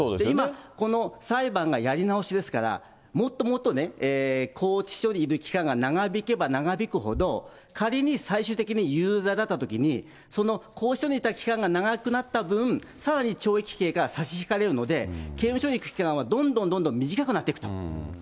今、この裁判がやり直しですから、もっともっと拘置所にいる期間が長引けば長引くほど、仮に最終的に有罪だったときに、その拘置所にいる期間が長くなった分、さらに懲役刑から差し引かれるので、刑務所に行く期間はどんどんどんどん短くなっていくと。